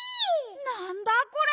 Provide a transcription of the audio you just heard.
なんだこれ！？